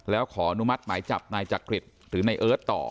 แล้วขออนุมัติหมายจับนายจักริตหรือนายเอิร์ทต่อ